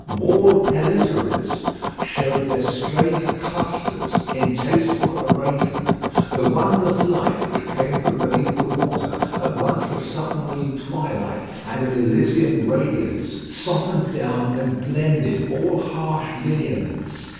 Wall pellitories showed their strange clusters in tasteful arrangement. The wondrous light which came from beneath the water, at once a submarine twilight and an Elysian radiance, softened down and blended all harsh lineaments.